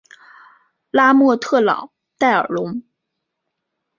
拉莫特朗代尔龙。